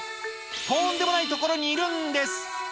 とんでもない所にいるんです。